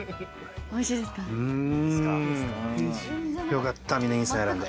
よかった峯岸さん選んで。